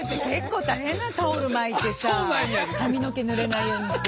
タオル巻いてさ髪の毛ぬれないようにして。